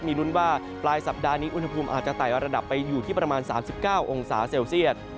มีลุ้นว่าปลายสัปดาห์นี้อุณหภูมิอาจจะไต่ระดับไปอยู่ที่ประมาณ๓๙องศาเซลเซียต